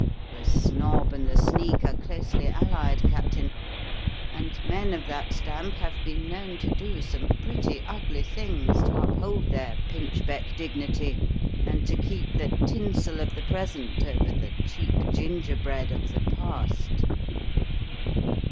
The snob and the sneak are closely allied, Captain, and men of that stamp have been known to do some pretty ugly things to uphold their pinchbeck dignity, and to keep the tinsel of the present over the cheap gingerbread of the past."